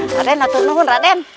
raden atur nunggu raden